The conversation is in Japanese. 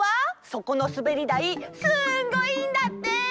そこのすべりだいすんごいんだって！